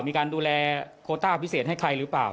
มีการดูแลโคต้าพิเศษให้ใครหรือเปล่า